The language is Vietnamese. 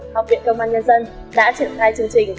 học viện công an nhân dân đã triển khai chương trình